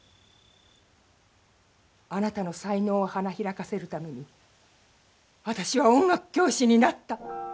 あなたの才能を花開かせるために私は音楽教師になった。